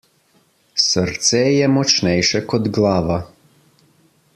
Srce je močnejše kot glava.